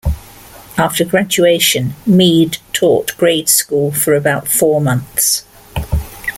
After graduation, Mead taught grade school for about four months.